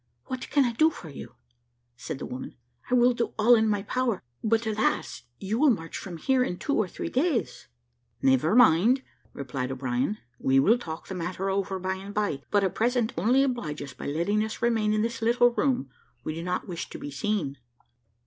"What can I do for you?" said the woman; "I will do all in my power; but, alas! you will march from here in two or three days." "Never mind," replied O'Brien, "we will talk the matter over by and by, but at present only oblige us by letting us remain in this little room; we do not wish to be seen."